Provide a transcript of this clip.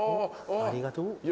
ありがとう。